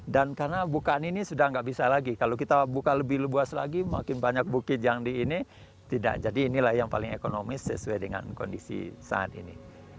dan karena bukaan ini sudah nggak bisa lagi kalau kita buka lebih luas lagi makin banyak bukit yang di ini tidak jadi inilah yang paling ekonomis sesuai dengan kondisi saat ini